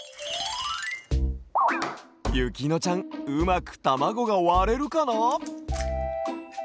ゆきのちゃんうまくたまごがわれるかな？